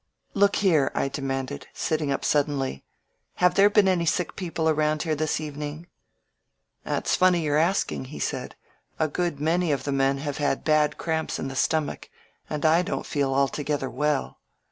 "Look here," I demanded, sitting up suddenly, Have there been any sick people around here this evening?" That's funny you're asking," he said. A good many of the men have had bad cramps in the stomach, and I don't feel altogether well.